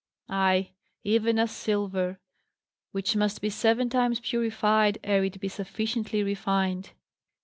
Ay! even as silver, which must be seven times purified, ere it be sufficiently refined.